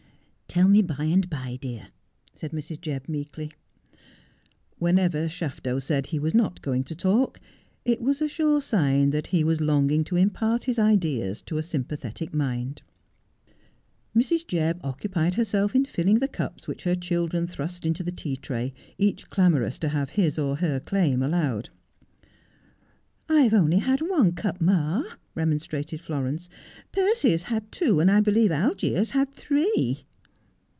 ' Tell me by and by, dear,' said Mrs. Jebb meekly. Whenever Shafto said he was not going to talk, it was a sure sign that he was longing to impart his ideas to a sympathetic mind. Mrs. Jebb occupied herself in filling the cups which her 186 Just as I Am. children thrust into the tea tray, each clamorous to have his or her claim allowed. ' I've only had one cup, ma,' remonstrated Florence. ' Percy has had two ; and I believe Algie has had three.'